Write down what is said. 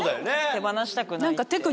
手放したくないって。